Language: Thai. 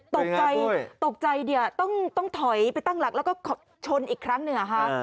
ตกใจตกใจต้องถอยไปตั้งหลักแล้วก็ชนอีกครั้งหนึ่ง